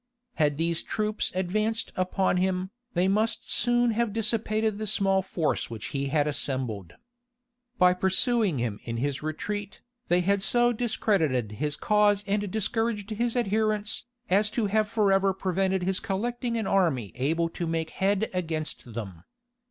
Had these troops advanced upon him, they must soon have dissipated the small force which he had assembled. By pursuing him in his retreat, they had so discredited his cause and discouraged his adherents, as to have forever prevented his collecting an army able to make head against them.